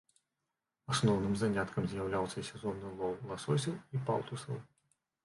Асноўным заняткам з'яўляўся сезонны лоў ласосяў і палтусаў.